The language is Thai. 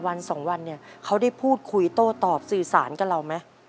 วันสองวันเนี่ยเขาได้พูดคุยโต้ตอบสื่อสารกับเราไหม